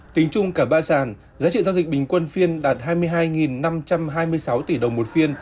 tính chung cả ba sản giá trị giao dịch bình quân phiên đạt hai mươi hai năm trăm hai mươi sáu tỷ đồng một phiên